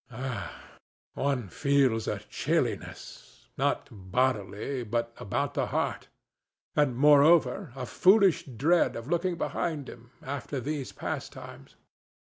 Ah! One feels a chilliness—not bodily, but about the heart—and, moreover, a foolish dread of looking behind him, after these pastimes.